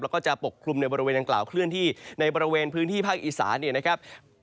แล้วก็จะปกคลุมในบริเวณดังกล่าวเคลื่อนที่ในบริเวณพื้นที่ภาคอีสานเนี่ยนะครับ